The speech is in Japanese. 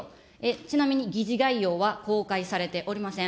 ちなみに議事概要は公開されておりません。